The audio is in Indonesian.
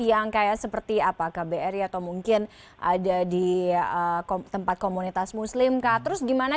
yang kayak seperti apa kbri atau mungkin ada di tempat komunitas muslim kak terus gimana